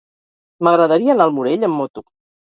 M'agradaria anar al Morell amb moto.